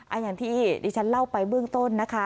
อย่างที่ดิฉันเล่าไปเบื้องต้นนะคะ